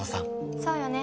そうよね